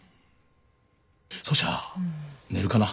そしゃ寝るかな。